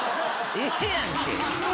ええやんけ。